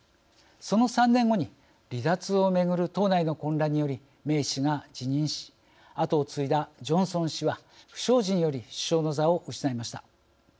その３年後に離脱を巡る党内の混乱によりメイ氏が辞任しあとを継いだジョンソン氏は不祥事により首相の座を失いました。